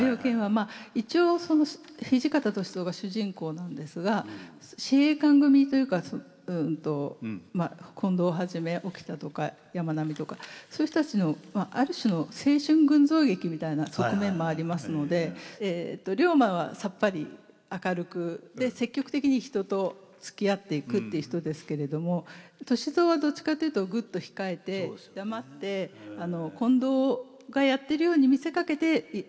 まあ一応土方歳三が主人公なんですが試衛館組というか近藤をはじめ沖田とか山南とかそういう人たちのある種の青春群像劇みたいな側面もありますので竜馬はさっぱり明るくで積極的に人とつきあっていくっていう人ですけれども歳三はどっちかっていうとぐっと控えて黙って近藤がやってるように見せかけて裏で操るっていう。